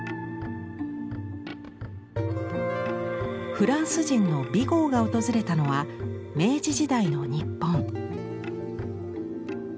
フランス人のビゴーが訪れたのは明治時代の日本。